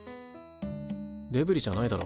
デブリじゃないだろ。